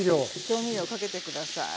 調味料かけて下さい。